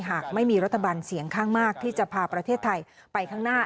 หากไม่มีรัฐบาลเสียงข้างมากที่จะพาประเทศไทยไปข้างหน้า